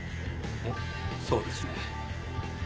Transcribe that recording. そうですね。